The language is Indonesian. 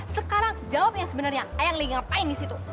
sekarang jawab yang sebenarnya ayang li ngapain di situ